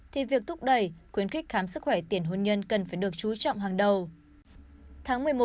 thì việc thúc đẩy khuyến khích khám sức khỏe tiền hôn nhân cần phải được chú trọng hàng đầu